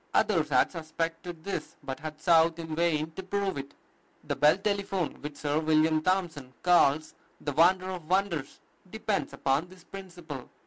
Others had suspected this, but had sought in vain to prove it. The Bell telephone, which Sir William Thompson calls "the wonder of wonders," depends upon this principle.